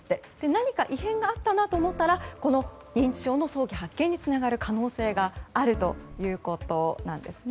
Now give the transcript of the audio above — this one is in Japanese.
何か異変があったなと思ったら認知症の早期発見につながる可能性があるということです。